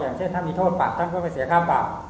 อย่างเช่นถ้ามีโทษปรับท่านก็ไปเสียค่าปรับ